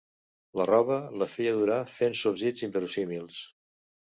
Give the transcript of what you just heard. La roba la feia durar fent sorgits inverossímils